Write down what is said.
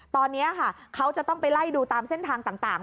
ตอนนี้ค่ะเขาจะต้องไปไล่ดูตามเส้นทางต่าง